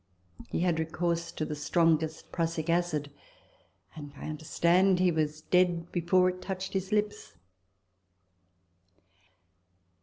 He had recourse to the strongest prussic acid ; and, I understand, he was dead before it touched his lips.